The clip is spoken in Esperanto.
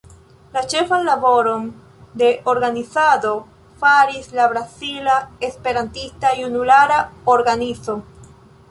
La ĉefan laboron de organizado faris la Brazila Esperantista Junulara Organizo.